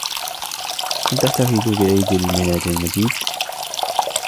هَل تحتفل بعيد الميلاد المجيد؟